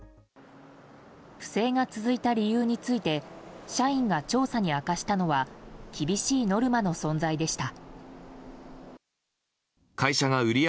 不正が続いた理由について社員が調査に明かしたのは厳しいノルマの存在でした。